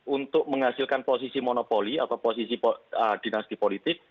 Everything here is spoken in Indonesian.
untuk menghasilkan posisi monopoli atau posisi dinasti politik